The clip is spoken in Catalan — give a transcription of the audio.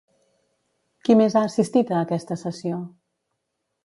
Qui més ha assistit a aquesta sessió?